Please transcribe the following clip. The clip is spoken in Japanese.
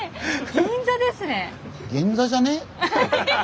銀座ですね。